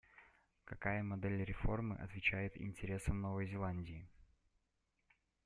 Какая модель реформы отвечает интересам Новой Зеландии?